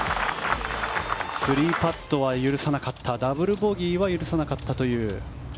３パットは許さなかったダブルボギーは許さなかったという。